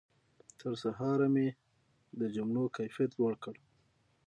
تر سهاره مې د جملو کیفیت لوړ کړ.